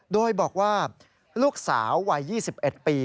โดยบอกว่าลูกสาววัย๒๑ปี